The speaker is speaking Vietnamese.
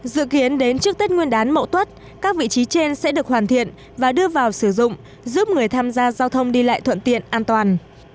dự kiến đến trước tết nguyên đán mậu tuất các vị trí trên sẽ được hoàn thiện và đưa vào sử dụng giúp người tham gia giao thông đi lại thuận tiện an toàn